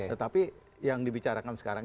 tetapi yang dibicarakan sekarang